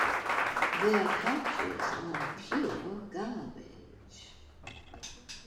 Their patches are pure garbage.